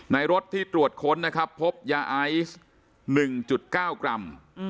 รถที่ตรวจค้นนะครับพบยาไอซ์๑๙กรัม